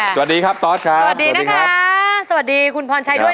สวัสดีนะครับสวัสดีคุณผอนตรายด้วยนะครับ